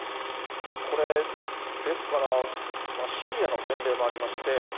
これ、ですから、シリアの前例もありまして。